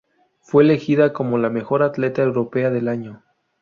Fue elegida como la mejor atleta europea del año.